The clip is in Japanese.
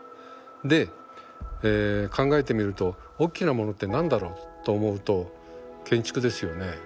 で考えてみるとおっきなものって何だろうと思うと建築ですよね。